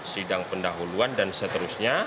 sidang pendahuluan dan seterusnya